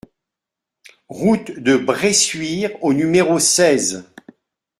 Route de Bressuire au numéro seize